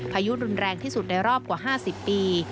ยุรุนแรงที่สุดในรอบกว่า๕๐ปี